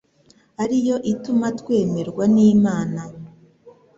ari yo ituma twemerwa n'Imana ?